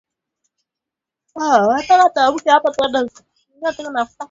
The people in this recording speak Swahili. Jamaa akakoroma kwa nguvu akianguka chini